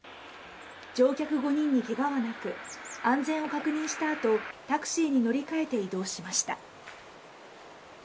乗客５人にけがはなく、安全を確認したあと、タクシーに乗り換えて移動しました。